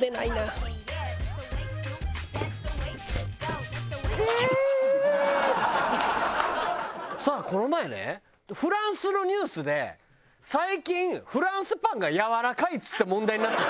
そしたらこの前ねフランスのニュースで最近フランスパンがやわらかいっつって問題になってて。